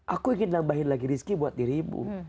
aku ingin nambahin lagi rizki buat dirimu